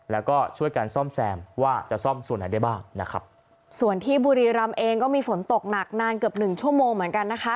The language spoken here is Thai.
แล้วก็ช่วยกันซ่อมแซมว่าจะซ่อมส่วนไหนได้บ้างนะครับส่วนที่บุรีรำเองก็มีฝนตกหนักนานเกือบหนึ่งชั่วโมงเหมือนกันนะคะ